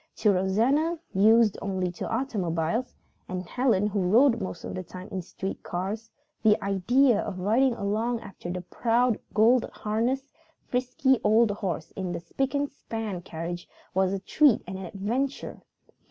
To Rosanna, used only to automobiles, and Helen who rode most of the time in street cars, the idea of riding along after the proud gold harnessed, frisky old horse in the spick and span carriage was a treat and an adventure.